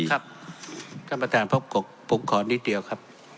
ครับท่านประธานพระปกรณ์ผมขอนิดเดียวครับ